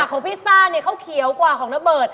ผักของพี่ซ่าเขาเขียวกว่าของนะเบิด